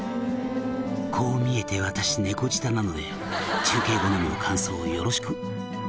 「こう見えて私猫舌なので『忠敬好み』の感想をよろしく」